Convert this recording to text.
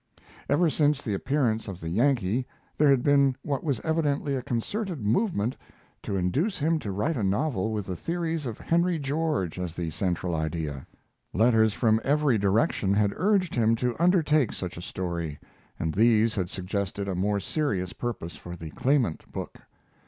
Ever since the appearance of the Yankee there had been what was evidently a concerted movement to induce him to write a novel with the theories of Henry George as the central idea. Letters from every direction had urged him to undertake such a story, and these had suggested a more serious purpose for the Claimant book.